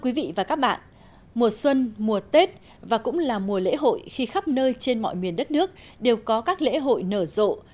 quý vị và các bạn mùa xuân mùa tết và cũng là mùa lễ hội khi khắp nơi trên mọi miền đất nước đều có các lễ hội nở rộ